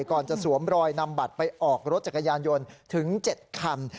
ก่อนจะสวมรอยนำบัตรไปออกรถจักรยานยนต์ถึง๗คัน